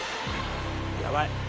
やばい。